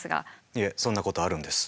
いえそんなことあるんです。